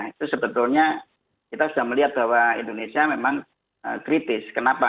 itu sebetulnya kita sudah melihat bahwa indonesia memang kritis kenapa